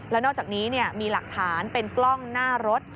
แล้วนอกจากนี้มีหลักฐานเป็นกล้องหน้ารถ